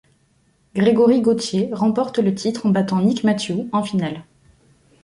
Grégory Gaultier remporte le titre en battant Nick Matthew en finale.